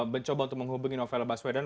mencoba untuk menghubungi novel baswedan